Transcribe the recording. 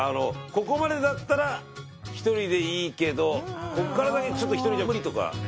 ここまでだったらひとりでいいけどこっから先ちょっとひとりじゃ無理とか。